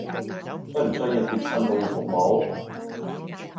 需唔需要貼身保護服務！？